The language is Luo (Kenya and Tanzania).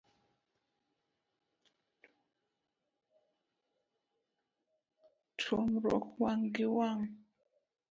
Tuomruok wang' gi wang'.